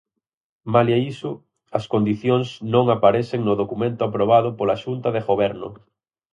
Malia iso, as condicións non aparecen no documento aprobado pola xunta de goberno.